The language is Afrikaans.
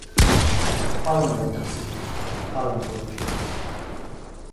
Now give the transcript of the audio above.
Ons het 'n palmrot gesien wat in 'n palmboom klim.